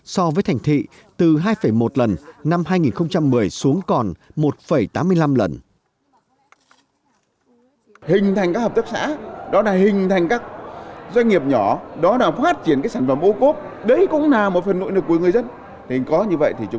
so với thành thị từ hai một lần năm hai nghìn một mươi xuống còn một tám mươi năm lần